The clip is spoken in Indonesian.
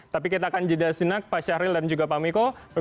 tapi kita akan jeda senak pak syahril dan juga pak miko